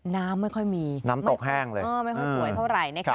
น้ำไม่ค่อยมีน้ำตกแห้งเลยไม่ค่อยสวยเท่าไหร่นะคะ